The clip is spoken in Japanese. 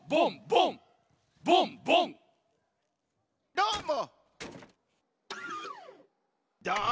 どーも！